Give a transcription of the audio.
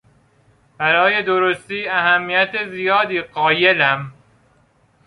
برای درستی اهمیت زیادی قایلم.